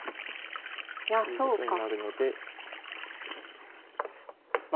いやそうか。ということになるのでまあ